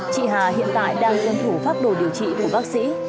chị hà hiện tại đang tuân thủ pháp đồ điều trị của bác sĩ